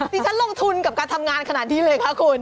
ฉันลงทุนกับการทำงานขนาดนี้เลยคะคุณ